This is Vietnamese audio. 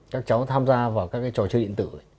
các cháu tham gia vào các cái trò chơi điện tử